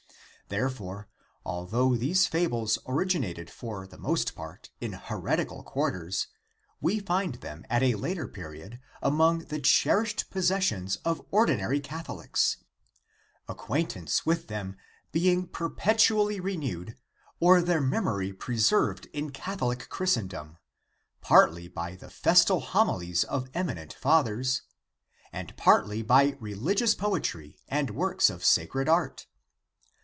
Therefore, although these fables originated for the most part in heretical quarters, we find them at a later period among the cherished possessions of ordinary Cath olics, acquaintance with them being perpetually renewed or X INTRODUCTION their memory preserved in Catholic Christendom, partly by the festal homilies of eminent Fathers, and partly by religious poetry and works of sacred art.